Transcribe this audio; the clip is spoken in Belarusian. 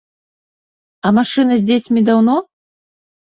А машына з дзецьмі даўно?